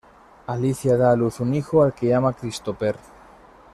Alicia da a luz un hijo, al que llama Christopher.